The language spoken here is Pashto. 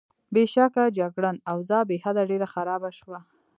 بېشکه، جګړن: اوضاع بېحده ډېره خرابه شوه.